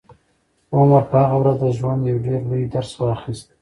عمر په هغه ورځ د ژوند یو ډېر لوی درس واخیست.